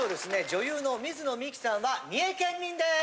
女優の水野美紀さんは三重県民です！